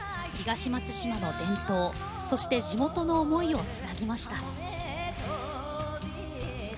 東松島の伝統そして地元の思いをつなぎました。